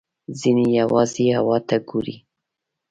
ځینې یوازې هوا ته ګوري.